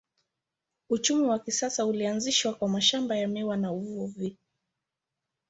Uchumi wa kisasa ulianzishwa kwa mashamba ya miwa na uvuvi.